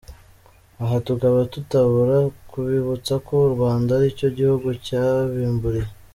Aha tukaba tutabura kubibutsa ko u Rwanda ari cyo gihugu cyabimburiye.